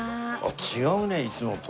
違うねいつもと。